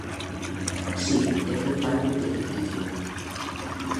Si, é totalmente ficticio.